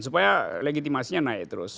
supaya legitimasinya naik terus